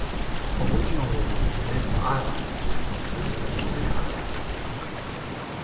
Originally, Davis Islands consisted of three islands.